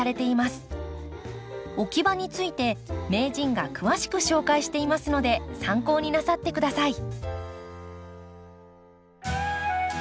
置き場について名人が詳しく紹介していますので参考になさって下さい。